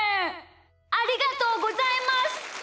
ありがとうございます。